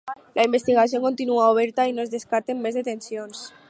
La investigació continua oberta i no es descarten més detencions.